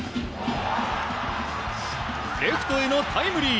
レフトへのタイムリー。